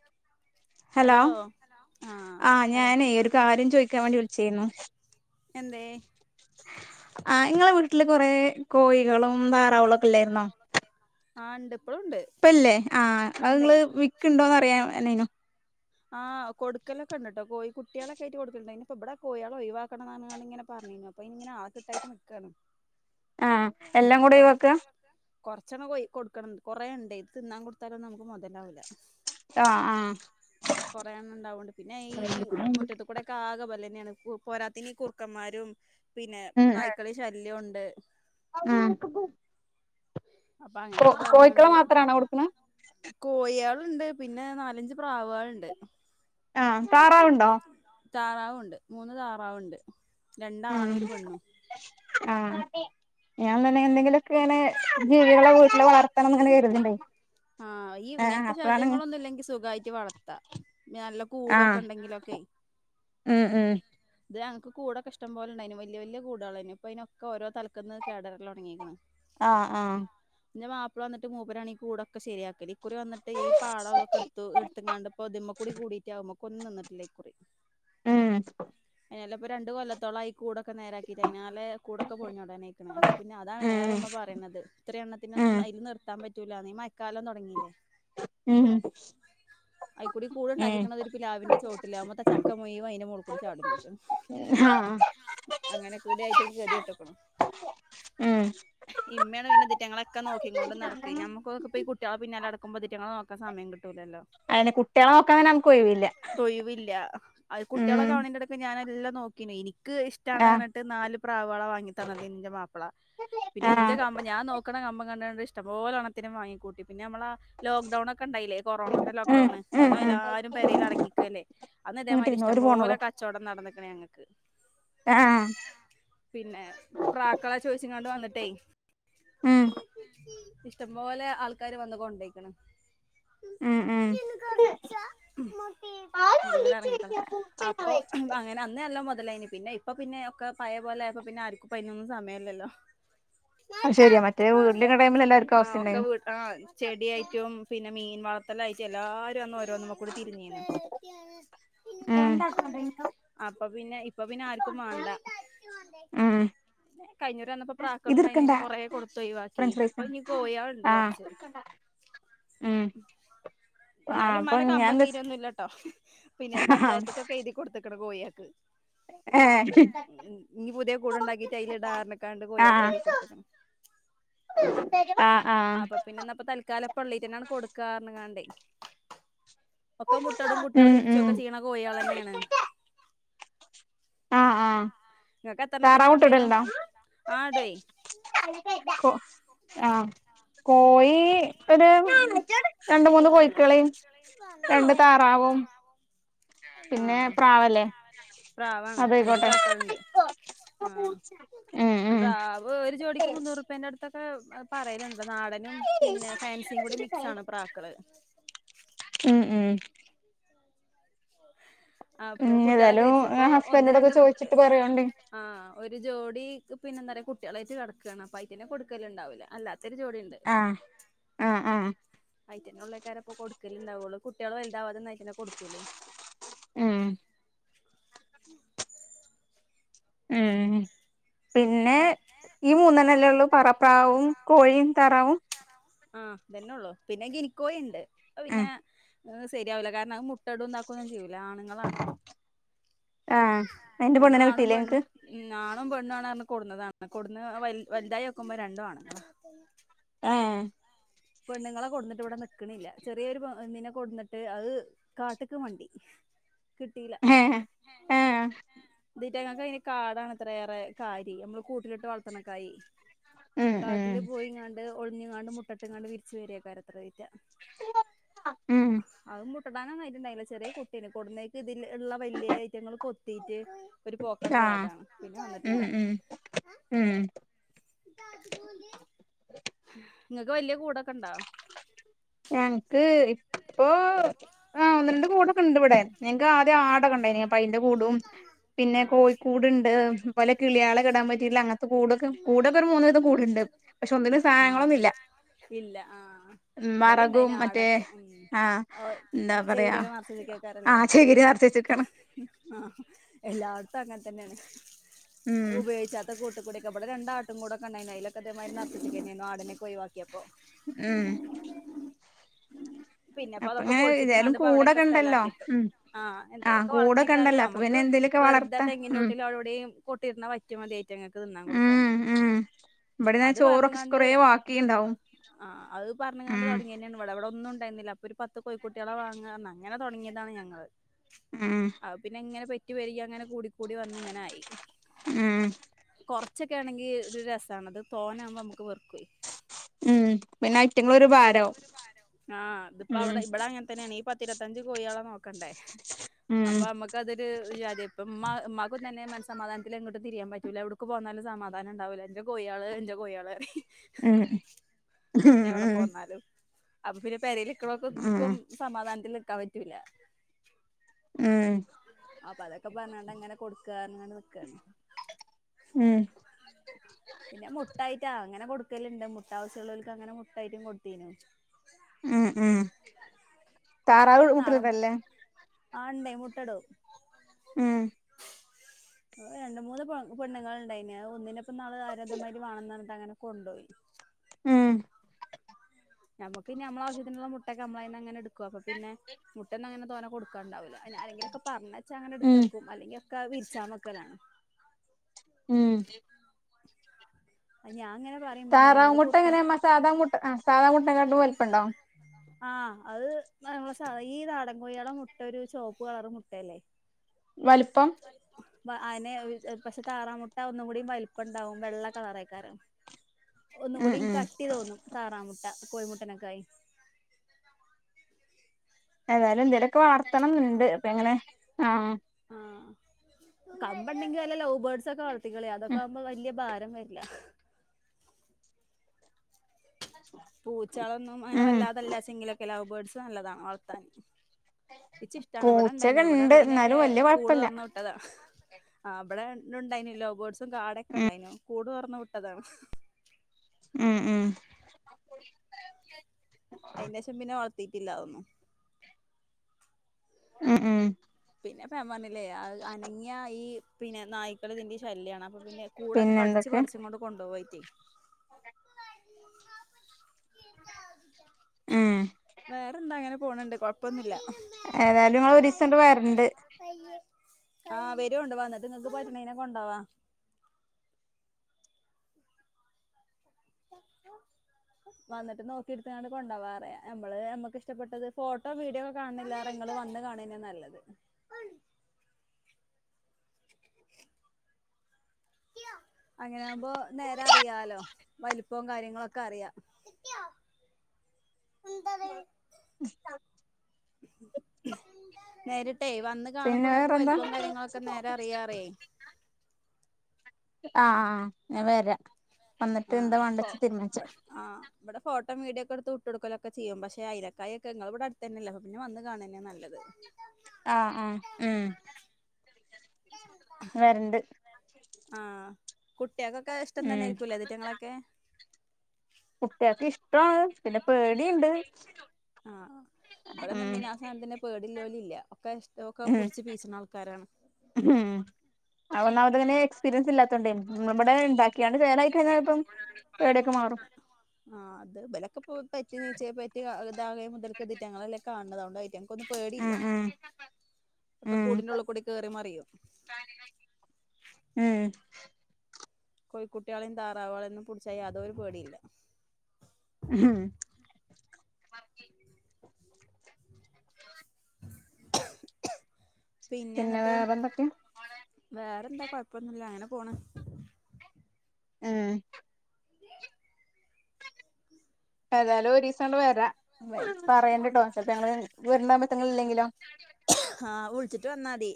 [inaudible] Hello ആഹ് ആ പറ ഞാനെയ് ഒരു കാര്യം ചൊയ്ക്കാൻ വേണ്ടി വിൾച്ചീന്നു എന്തേ ആ ഇങ്ങളെ വീട്ടില് കൊറേ കോഴികളും താറാവേളൊക്കെ ഇല്ലേർന്നോ ആ ഇണ്ട് ഇപ്പല്ലേ ആ അത്‌ നിങ്ങള് വിക്ക്ണ്ടോന്ന് അറിയാനേന്നു ആ കൊടുക്കലൊക്കണ്ട് ട്ടൊ കോയി കുട്ടിയേളൊക്കേയ്റ്റ് കൊടുക്കല്ണ്ട് അയ്ന് പ്പോ ബടെ കോയേളെ ഒയ്‌വാക്കണം ന്നർഞ്ഞ്ങ്ങാണ്ട് ങ്ങനെ പ ഉം അപ്പ അയ്ന്ങ്ങനെ ആളെ കിട്ടായിട്ട് നിക്കാണ് ആ എല്ലാം കൂടെയാ വയ്ക്ക കൊറച്ചെണ്ണ കൊയ് കൊടുക്കണന്ന് കൊറേ ണ്ടെയ് തിന്നാൻ കൊടുത്താലൊന്നും നമ്മക്ക് മൊതലാവൂല ആ ആ കൊറേണ്ണണ്ടാവോണ്ട് പിന്നെ ഈ മുറ്റത്ത് കൂടെക്കെ ആകെ ബലെ പോരാത്തെയ്നി കുർക്കമ്മാരും പിന്നെ നായ്ക്കളി ശല്യൊണ്ട് ആ അപ്പൊ അങ്ങനെക്ക പറഞ്ഞോണ്ട് മാത്രാണോ കൊടുക്കണെ കോയികൾ ഉണ്ട് പിന്നെ നാലഞ്ച് പ്രാവ്കൾ ഉണ്ട് ആ താറാവ് ഉണ്ടോ താറാവൂണ്ട് മൂന്ന് താറാവ്ണ്ട് ഉം ആ ഞാൻ തന്നെ എന്തെങ്കിലൊക്കെ ങ്ങനെ ജീവികളെ വീട്ടില് വളർത്തണന്ന് ങ്ങനെ കരുതണ്ട് ആ ഈ ഇങ്ങനത്തെ ശല്യങ്ങളൊന്നുല്ലെങ്കി സുഖായിറ്റ് വളത്താ നിഅല്ല ആഹ് കൂടൊക്കെയൊണ്ടെങ്കിലൊക്കെ ഉം ഉം ത് ഞങ്ങക്ക് കൂടൊക്കെ ഇഷ്ടം പോലെയണ്ടെയ്നു വല്യ വല്യ കൂടേളേനു ഇപ്പോ അയ്നൊക്കൊ ഓരോ തലക്കലേന്ന് കേടറെരലൊടങ്ങീക്ക്ണ് ആ ആ ൻ്റ മാപ്പ്ള വന്നിട്ട് മൂപ്പരാണ് ഈ കൂടൊക്കെ ശരിയാക്കല് ക്കുറി വന്ന്ട്ട് ഈ പാടൊ തൊക്കട്ത്തു ട്‌ത്ത്ങ്ങാണ്ട് പ്പൊ തിമ്മക്കൂടി കൂടീറ്റ് ഔമക്കൊന്നു നിന്ന്ട്ടില്ല ഇക്കുറി ഉം ഏലപ്പൊ രണ്ട് കൊല്ലത്തോളായി കൂടൊ ക്ക നേരാക്കീറ്റ് അയ്നാലെ കൂടൊക്ക പൊളിഞ്ഞാടാനായ്ക്ക്ണ് അപ്പ പിന്ന അതാണ് ഏറെമ്മ പറയ്ണത് ഇത്രി ഉം എണ്ണത്തിനൊന്ന അയ്ല് നിർത്താൻ പറ്റൂലാന്ന് ഈ മയക്കാലം തൊടങ്ങീലെ ഉം അയ്ക്കൂടി ഉം കൂട്ണ്ടാക്കീക്ക്ണത് ഒരു പിലാവിന്റെ ചോട്ടിലാ അവുമ്പത്ത ചക്ക മുയ്‌വൻ അയ്ൻ്റെ മോളി കൂടെ ചാടുന്നുണ്ട് ഹാ അങ്ങനെ കുടി ആയിറ്റൊക്കെ ഗതിയെട്ടുക്കുണു ഉം ഇമ്മേണ് അയ്ന് എതി റ്റങ്ങളെക്കെ നോക്കിങ്ങൂണ്ട് നടക്കെയ് ഞമ്മക്കൊതൊക്ക പ്പെയ് ഈ കുട്ടിയൊളെ പിന്നാലടക്കുമ്പോ ഇറ്റങ്ങളെ നോക്കാ സമയം കിട്ട് അയ്ന് കുട്ടിയൊളെ നോക്കണ ഒയിവില്ല അഹ് ഉം കുട്ടിയൊളൊക്കെടവിടെകിടക്കും ഞാനെല്ലാം നോക്കീനേനി ക്ക് ആഹ് ഇഷ്ടാണെന്നറിഞ്ഞിട്ട് നാല് പ്രാവേളെ വാങ്ങി തന്നത് ഇന്റെ മാപ്പ്ള പിന്നെ ൻറ്റെ ആഹ് കമ്പം ഞാൻ നോക്ക്ണ കമ്പം കണ്ടണ്ട് ഇഷ്ടംപോലെ എണ്ണത്തിനെ വാങ്ങിക്കൂട്ടി പിന്നെ ഞമ്മളാ ലോക്ക്ഡൗണ ക്കണ്ടയ്ലേ കൊറോണന്റെ ഉം ലോക്ക്‌ഡൗണ് ഉം അന്ന് ഉം എല്ലാരും പെരേല് അടങ്ങിക്കല്ലേ അന്നീതേമാരി ഇങ്ങട്ടിരുന്നോ ഒരു ഫോണൊള്ളൂ ഇഷ്ടംപോലെ ക ച്ചോടം നടന്ന് ണ് ഞങ്ങക്ക് ആഹ് പിന്നെ പ്രാക്കളെ ചോയ്ച്ച്ങ്ങാണ്ട് വന്ന് ട്ടെയ് ഉം ഇഷ്ടംപോലെ ആൾക്കാര് വന്ന് കൊണ്ടോയ്ക്ക്ണ് ഉം ഉം അങ്ങട് എറങ്ങിക്കള അപ്പൊ [unintelligible] അങ്ങനെ അന്ന് നല്ല പിന്നെ ഇപ്പ പിന്നെ ഒക്ക പയേ പോലായപ്പൊ പിന്നെ ആർക്കു പ്പൊ അയ്നൊന്നും സമയല്ലല്ലോ അയ് ശെരിയാ മറ്റേ വീട്ടിലിരിക്കണ ടൈമില് എല്ലാർക്കു ആ ഒക്കെ ആവ്‌സ്യണ്ടായ്നു വീ ആ ചെടിയായ്റ്റും പിന്നെ മീൻ വളത്തലായ്റ്റു എല്ലാരു അന്ന് ഒ ഒന്നുമേക്കൂടെ തിരിഞ്ഞേനു ഉം അപ്പൊ പിന്നെ ഇപ്പൊ പിന്നെ ആർക്കും മാണ്ട ഉം കഴിഞ്ഞുറി വന്നപ്പോ ഇതിടുക്കണ്ട പ്രാക്കൾണ്ടായിന്നേനെ കൊറേ കൊടുത്തൊഴിവാക്കി ഫ്രഞ്ച് ഫ്രൈസ് പ്പം ഞ്ഞീ കോയീള്ണ്ട് ആഹ് കൊറെ ഉം ആഹ് ന്നാലും അപ്പൊ മ്മാന്റെ ഞാൻ കമ്പം എന്താ തീരൊന്നുല്ലാട്ടോ പിന്നെ പഞ്ചായത്ത്ക്കൊക്കെ യ്തി കൊടുത്ത്ക്ക്‌ണ് കോയേ ക്ക് [inaudible] നീ പുതിയ കൂട്ണ്ടാക്കീറ്റയിലിടാറ്ഞ്ഞ് ക്കാണ്ട് കോയീക്കെയ്തി കൊടുത്ത്ക്ക്ണ്. ആ ആ എന്നപ്പൊ തൽക്കാലപ്പള്ളെയ് ത്തന്നെങ്ങ് കൊടുക്കാർന്ന്ങ്ങാണ്ടെയ്. ഒക്കെ മുട്ടടും കുട്യേളെ ഉം ഉം വിരിചൊക്കെ ചീയ്ണ കോയീളെന്നേണ്. ആഹ് ആഹ് ങ്ങക്കെത്രെണ്ണെത്തിനെ താറാവ് മുട്ട വേണ്ടേരും ഇടലുണ്ടോ ആ ടുയ് കോഴീ ഒരു രണ്ട് മൂന്ന് കോയിക്കളേം രണ്ടു താറാവും ആ പിന്നെ അ പ്രാവല്ലേ പ്രാവാണ് അഞ്ചു അതായിക്കോട്ടെ പ്രാക്കളുണ്ട് ആ ഉം ഉം പ്രാവ് ഒരു ജോഡിക്ക് മുന്നൂറുപ്പേന്റെടുത്ത പറയലുണ്ട് നാടനും പിന്നെ ഫാൻസിയും കൂടി മിക്സാണ് പ്രാക്കള് ഉം ഉം. ആപ്പൊ ഉം കുട്യോളോക്കെ ഏതായാലും വിരിച്ചപ്പോ ഒന്ന് ഹസ്ബൻഡോടൊക്കെ രണ്ട് കു ചോദിച്ചിട്ട് പറയോണ്ടി ആ ഒരു ജോഡീ പിന്നെന്താറിയ കുട്യേളേറ്റ് കെടക്കാണ് പ്പയിറ്റേനെ കൊടുക്കലുണ്ടാവൂല്ല അല്ല ആ ഉം ഉം അയിറ്റെന്നൊള്ളെയ്ക്കാ രൊപ്പൊ കൊടുക്കല് ണ്ടാവുള്ളൂ കുട്യേള് വല്താവാതൊന്നും ന്നയ്റ്റേനെ കൊടുക്കൂലേയ് ഉം ഉ [inaudible] ഉം പിന്നെ ഈ മൂന്നെണ്ണല്ലേള്ളൂ പറപ്രാവും കോഴിം താറാവും ആ തന്നെള്ളൂ പിന്നെ ഗിനിക്കോഴിണ്ട് പിന്നെ ആ സരിയാവില്ല കാരണം മുട്ടടും താക്കൊന്നും ചെയ്യൂ ലാണ്ങ്ങളാണ് ആഹ് അയിന്റെ പെണ്ണിനെ ഞങ്ങളാണും കിട്ടീല്ലേ പെണ്ണും നിനക്ക് ഉം ഞാണും പെണ്ണു ആണ് റഞ്ഞ് കൊടുന്നതാണ് കൊടന്ന് വൽ വൽതായോക്കുമ്പോ രണ്ടൊ ആണ്. ഏ പെണ്ണ്ങ്ങളെ കൊടുന്ന്ട്ട് വടെ നിക്കണില്ല, ചെറിയൊരു പൊ ന്നിനെ കൊടുന്നിട്ട് അ കാട്ട്ക്ക് മണ്ടി. കിട്ടീല. ഏഹ് ഏഹ് ഇതിറ്റങ്ങക്കയിന്ന് കാടാണ്ത്രെ റേ കാര്യേ, മ്മള് കൂട്ടിലിട്ട് വളത്ത്ണേക്കായി. ഉം ഉം കാട്ടില് പോയിങ്ങാണ്ട് ഒളിഞ്ഞ്ങ്ങാണ്ട് മുട്ടട്ട്ങ്ങാണ്ട് വിരിച്ച് വെരേക്കാരത്രേ ഇറ്റ. ഉം. ട്ടിടാനൊന്നായിട്ടുണ്ടായില്ല ചെറിയ കുട്ടിയെല്ലെ കൊടുന്നേക്കിതില്ള്ള വെല്ലി യ്റ്റങ്ങള് കൊത്തിയിറ്റ്, ആ ഉ ഉം ഉം ഇങ്ങക്ക് വല്യ കൂടൊക്കെണ്ടോ? ഞങ്ങ്ക്ക് ഇപ്പോ ആ ഒന്ന് രണ്ട് കൂടോക്കെണ്ട്വ്ടെ. നങ്ങ്ക്ക് ആദ്യം ആടൊക്കെണ്ടായിന്നപ്പ യിന്റെ കൂടും, പിന്നെ ആഹ് കോഴിക്കൂട്ണ്ട്, അത്പോലെ കിളീളെക്കിടാൻ പറ്റിയിട്ട്ള്ളങ്ങത്തെ കൂടോക്കെ കൂടൊക്കൊരു മൂന്നിതം കൂടുണ്ട്. പഷേ ഒന്നിനും ആഹ് സാനങ്ങളൊന്നില്ല. ഇല്ല ആ ഉം വറകും മറ്റേ ഉം ആ ന്താ പറയാ ആ ആ എല്ലാട്ത്തും അങ്ങൻ തന്നേണ്. ഉം ഉപയോയിച്ചാത്ത കൂട്ടുകുടെ ഇബടെ രണ്ടാട്ടും കുടൊക്കെ ണ്ടായിന്നേ യിലൊക്കെ തേമായിര് നറച്ചെച്ച്ക്കനേന്നു ആടിനെക്കൊയ് വാക്കി ഉം അപ്പൊ പിന്നെപ്പതൊക്കെ ഇങ്ങനെ ഏതായാലും പൊളിച്ചിട്ട്ങ്ങാണ്ട് പ്പവിടെക്കെ കൂടൊക്കെ ഉണ്ടല്ലോ സ്ഥലക്കിട്ടു. ഉം ആ ആഹ് എന്തേലൊക്കെ കൂടൊക്കെ ഉണ്ടല്ലോ അപ്പൊ വളർത്തിട്ടാലമ്മക്ക് പിന്നെ എന്തേലുമൊക്കെ വെർതെ വളർത്താ ഉം തെങ്ങിനോട്ടില വിടെയും കൊട്ടിര്ന്ന വയ റ്റങ്ങക്ക് തിന്നാൻ ഉം കൊടുക്കാനേ. ഉം ഇവിടെന്ന് അത് ചോറൊക്കെ പറഞ്ഞ്ങ്ങാണ്ട്. കൊറേ ബാക്കി ഉണ്ടാവും ആ അത് പറഞ്ഞ്ങ്ങാണ്ട് ഉം തൊടങ്ങിയെന്നേണ് ഇവടെ ഇവടെ ഒന്നും ഉണ്ടായിർന്നില്ല അപ്പൊ ഒരു പത്ത് കോഴിക്കുട്ടികളെ വാങ്ങാപറഞ്ഞ് അങ്ങനെ തുടങ്ങിയതാണ് ഞങ്ങള് ഉം ആഹ് പിന്നെ ഇങ്ങനെ പെറ്റ് പെര്കി അങ്ങനെ കൂടി കൂടി വന്ന് ഇങ്ങനായി ഉം കൊറ ച്ചൊക്കെ ആണെങ്കിൽ ഒരു രസാണ് അത് തോനെആകുമ്പോ നമുക്ക് വെറുക്കെയ് ഉം പിന്നയ് അയ്റ്റങ്ങള് ഒരു ഭാരാവും. ആ ഇതിപ്പോ ഉം അവിടെ ഇബടെ അങ്ങനെ തന്നെയാണ് ഈ പത്തിരവത്തനഞ്ച് കോയിളെ നോക്ക ണ്ടേ ഉം അപ്പൊ നമ്മക്ക് അതൊരുജാതിയ ഇപ്പ ഇമ്മ ഇമ്മകുതന്നേ മനസ് സമാധാനത്തിൽ എങ്ങട്ടും തിരിയാൻപറ്റൂല എവിടുക്ക് പോന്നാലും സമാധാനം ഉണ്ടാവൂല ജ്ജ്‌ കോയേള് ജ്ജ്‌ കോയേള് പറി ഉം ഉം ഉ ഉ ഉം അപ്പൊ പിന്നെ ഉം പെരരേല്നിക്ക്ണോക്കും ഉം സമാധാനത്തിൽ നിക്കാൻ പറ്റൂല ഉം അപ്പൊ അതൊക്കെ പറഞ്ഞാണ്ട് അങ്ങനെ കൊടുക്കാ ങ്ങനെ നിക്കാണ് ഉം പിന്നെ മുട്ടായിറ്റാ അങ്ങനെ കൊട് ക്കല്ണ്ട് മുട്ടാവസ്യളോല്ക്ക് അങ്ങനെ മുട്ടായിട്ടും കൊടുത്തീനു ഉം ഉം താറാവ് മുട്ടട്തല്ലേ? ആണ്ടേയ് മുട്ടടും ഉം രണ്ട്‌ മൂന്ന് പെ പെണ്ണങ്ങൾണ്ടായിന് ഒന്നിനപ്പംന്നാള് ആരാഇതേമായിരി വാണംന്നറഞ്ഞ ത് അങ്ങനെ കൊണ്ടോയി ഉം നമ്മക്ക് നമ്മള ആവശ്യത്തിന്ള്ള മുട്ട ഒക്കെ നമ്മള് അയ്‌ന്നങ്ങനെ ഇട്ക്കും അപ്പ പിന്നെ മുട്ടന്നും അങ്ങനെതോനെ കൊട് ക്കണ്ടാവൂല അയ്‌ന് ആരെങ്കിലൊക്കെ പറഞ്ഞച്ചാ അങ്ങനെ ഉം ഇട്ത്തക്കും അല്ലെങ്കിൽ ഒക്കെ വിരിച്ചാവെക്കലാണ് ഉം ആഹ് ഞാ താറാവ് മുട്ട എങ്ങനെമ്മ സാധാ മുട്ട ആ സാധാ മുട്ടക്കാട്ടിലും വലിപ്പണ്ടൊ ആ അത് നമ്മളെസ് ഈ നാടൻ കോയേളെ മുട്ട ഒരു ചോപ്പ് കളറ് മുട്ടയല്ലേ? വൽപ്പം വാ ആയെന്നേ ആഹ് ഒ പക്ഷെ താറാമുട്ട ഒന്നും കൂടി വലിപ്പം ഇണ്ടാവും വെള്ള കളറായ്ക്കാരം ഉം ഒന്നുകുടിം ഉം കട്ടി തോന്നും താറാമുട്ട കോഴ്മുട്ടനാക്കായിം ഏതായാലും എന്തെലൊക്കെ വളർത്തണംന്ന്ണ്ട് അപ്പൊ എങ്ങനെ ആ കമ്പം ഇണ്ടെങ്കിൽ വല്ല ലോവ് ബേർഡ്സ് ഒക്കെ വളർത്തിക്കളീം അതൊക്കെ ഉം ആകുമ്പോ വലിയ ഭാര വരില്ല പൂച്ചകളൊന്നും അങ്ങനെ ഉം വല്ലാതല്ലാ ചെങ്കിലൊക്കെ ലോവ് ബേർഡ്സ് നല്ലതാണ് വളർത്താൻ ഇച്ച് ഇഷ്ടാണ് ഇവിടെണ്ടായ്നു പൂച്ചൊക്കെ ഇണ്ട് ഇവിടെഇളേയ്നൊക്കെ എന്നാലും വല്യ കൂട് കൊഴപ്പല്ല തുറന്ന് വിട്ടതാ ആ ഇബടെ ഉണ്ടായിനു ലോ ബേർഡ്സും കാടൊക്കെ ഉം ഇണ്ടായിനു കൂട് തുറന്ന് വിട്ടതാണ് ഉം ഉം അതിന്റെ ശേഷം പിന്നെ വളർത്തിട്ടില്ല അതൊന്നും ഉം ഉം പിന്നെപ ഞാൻ ആഹ് പറഞ്ഞില്ലേ അനങ്ങിയ ഈ പിന്നെ നായ്ക്കളതിന്റെ ശല്യാണ് അപ്പൊ പിന്നെ കൂടൊക്കെ കടിച്ച് പറിച്ച്ങ്ങട്ട് കൊണ്ടു പോവൈറ്റേ ഉം വേറെന്താ അങ്ങനെ പോണണ്ട് കൊഴ് ഏതായാലും ഞങ്ങള് ഒരീസണ്ട് വരണ്ട്. ആഹ വരോണ്ട് വന്നിട്ട് ഇങ്ങക്ക് പറ്റ്ണേനെ കൊണ്ടവാ വന്നിട്ട് നോക്കിട്ത്ങ്ങാണ്ട് കൊണ്ടാവാ പറിയ നമ്മള് നമ്മക്ക്ഷ്ട്ടപ്പെട്ടത് ഫോട്ടോ വീഡിയോഓകെയ് കണിലേറെ ഇങ്ങള് വന്ന് കാണ്‌നെയ് നല്ലത് [unintelligible] അങ്ങനെ ആകുമ്പോ നേരെ അറിയാലോ വലിപ്പവും കാര്യങ്ങളൊക്കെ അറിയ നേരിട്ട ട്ടെ വന്ന് പിന്നെ കാണുമ്പോക്ക് ങ്ങക്ക് വേറെന്താ വലിപ്പം കാര്യങ്ങളൊക്കെ നേരെ അറിയാറേ ആഹ ഞ വരാ. വന്നിട്ട് എന്താ ആഹ വാണ്ടച്ച തീരുമാനിച്ച ആഹടെ ഫോട്ട ഇം വീടൊക്ക എടുട്ട്ടുക്കലൊക്കെ ചെയ്യും പക്ഷെ അയിനെ ക്കായൊക്കെങ്ങള ഇവിടടുത്തന്നെല്ലേ പിന്നെ വന്ന് കാണന്നെ നല്ലത്. ആഹ ആഹ ഉം വരണ്ട്. ആഹ കുട്ടികൾക്കൊക്കെ ഇഷ്ടം ഉം തന്നൊയിരിക്കൂല അതിറ്റങ്ങളൊക്കെ? കുട്ട്യേൾക്കു ഷ്ടോ ആണ് പിന്നെ പേടിയുണ്ട്. ആഹ ഇവിടൊന്നും ഉം പിന്നൊ ആ സാധനത്തിനെ പേടില്ലോലില്ല ഒക്കെ അതൊക്കെ ഉം പുടിച് പീച്ചണ ആൾക്കാരാണ്. അ അതിനെ എക്സ്പരിയൻസ് ഇല്ലാതോണ്ട് നമ്മടെ ഉണ്ടാക്കിയാണ് ചേലായി കഴിഞ്ഞാൽ ഇപ്പം പേടിയൊക്കെ മാറും. നീച്ചയെ പറ്റിധാകെ മുതൽക്ക് ദിറ്റങ്ങളെല്ലാം കാണുന്നതുകൊണ്ടയിരിക്കാം. ഒന്നും പേടിയില്ല ഉം ഉം ഒക്കെ ഉം കൂടന്റെള്ള കൂടി കയറി മറിയും. ഉം കോഴിക്കുട്ടികളെയും താറാവളെയും പിടിച്ചാ യാതൊരു പേടീല്ല. ഉം പിന്നെ എന്നിട്ട് വേറെന്താ കൊഴപ്പൊന്നില്ല അങ്ങനെ പോണ് ഏഹ് ഏതായാലും ഒരീസങ്ങട് വരാ പറയണ്ടട്ടോ ചെൽപോ ഞങ്ങള് വരണ സമയത്ത് നിങ്ങളില്ലെങ്കിലോ? ആഹ് വിളിച്ചിട്ട് വന്നാതി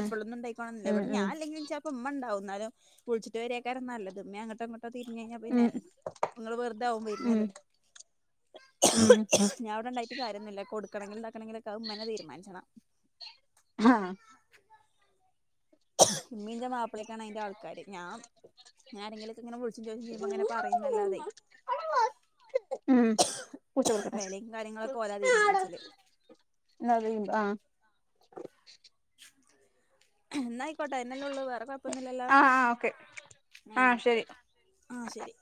എപ്പളൊന്നും ഇണ്ടായിക്കോണോന്നില്ല ഉം ഇവിടെ ഉം ഞാനില്ലെങ്കിലും ചെൽപ്പോ ഉമ്മെണ്ടാവും. എന്നാലും വിളിച്ചിട്ട് വരിയാക്കാര നല്ലത് ഉമ്മേ അങ്ങട്ടും ഇങ്ങ ട്ടോ തിരിഞ്ഞ കഴിഞ്ഞാ പിന്നെ നിങ്ങള് വെറുതാവും ഉം ഉം വെരണത്. ഉം ഞാൻ ഇവടെ എണ്ടായിട്ടും കാര്യൊന്നില്ല കൊടുക്കണെങ്കിലും ഇണ്ടാക്കണെങ്കിലു ഒക്കെ അത് ഉമ്മന്നെ തീരുമാനിച്ചണം. ഹാ ഇമ്മീന്റെ മാപ്പിളേക്കാണ് അയിന്റെ ആൾക്കാര് ഞാ ഞാൻ ആരെങ്കിലുലൊക്കെ ഇങ്ങനെ വിളിച്ചും ചോദിച്ചും ചെയ്യുമ്പോ ഇങ്ങനെ പറയുംന്നല്ലാതെ. ഉം വെലയും കാര്യങ്ങളൊക്കെ ഓലാ തീരുമാനിച്ചല് [unintelligible] ആഹ് എന്നായിക്കോട്ടെ അയ്നെല്ലുള്ളൂ വേറെ കൊഴപ്പൊന്നു ഇല്ലല്ലാ? ആഹ് ഓക്കെ ആഹ് ആ ശരി ആയ്ക്കോട്ടെ ആഹ് ശരി ആഹ് ശരി